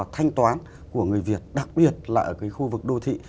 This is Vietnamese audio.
thanh toán của người việt đặc biệt là ở cái khu vực đô thị